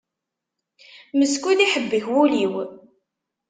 Meskud iḥebbek wul-iw.